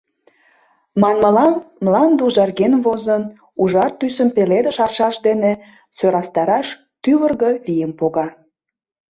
Манмыла, мланде ужарген возын, ужар тӱсым пеледыш аршаш дене сӧрастараш тӱвыргӧ вийым пога.